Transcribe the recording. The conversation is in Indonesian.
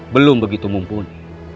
belum begitu mumpuni